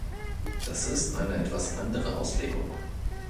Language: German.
Das ist eine etwas andere Auslegung.